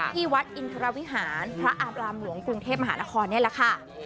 ที่วัดอินทรวิหารพระอาบรามหลวงกรุงเทพมหานครนี่แหละค่ะ